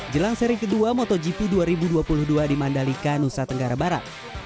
jelang seri kedua motogp dua ribu dua puluh dua di mandalika nusa tenggara barat